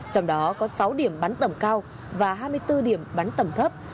trong đó có sáu điểm bắn tầm cao và hai mươi bốn điểm bắn tầm thấp